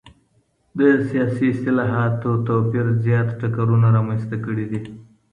د سياسي اصطلاحاتو توپير زيات ټکرونه رامنځته کړي دي.